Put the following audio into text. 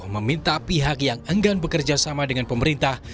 meminta pihak yang enggan bekerjasama dengan pemerintah